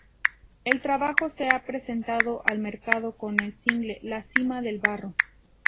El trabajo se ha presentado al mercado con el single "La Cima del barro".